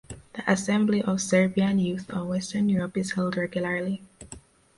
The Assembly of Serbian Youth of Western Europe is held regularly.